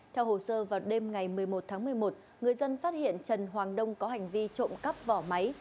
theo hồ sơ vào đêm ngày một mươi một tháng một mươi một người dân phát hiện trần hoàng đông có hành vi trộm cắp vỏ máy